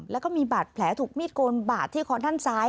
แล้วก็มีบาดแผลถูกมีดโกนบาดที่คอด้านซ้าย